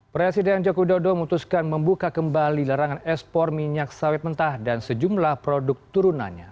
presiden joko widodo memutuskan membuka kembali larangan ekspor minyak sawit mentah dan sejumlah produk turunannya